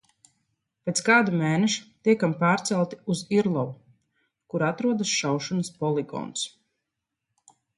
Pēc kāda mēneša tiekam pārcelti uz Irlavu, kur atrodas šaušanas poligons.